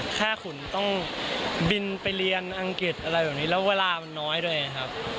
ถ้าขุนต้องบินไปเรียนอังกฤษอะไรแบบนี้แล้วเวลามันน้อยด้วยไงครับ